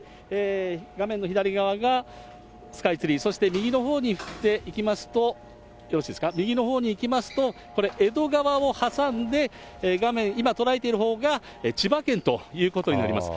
画面の左側がスカイツリー、そして右のほうにいきますと、よろしいですか、右のほうにいきますと、これ、江戸川を挟んで、画面、今捉えているほうが千葉県ということになります。